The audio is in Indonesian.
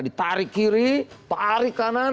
ditarik kiri tarik kanan